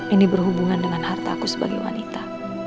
ini berhubungan dengan hartaku sebagai wanita